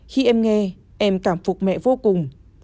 khi em nghe em cảm phục mẹ vô cùng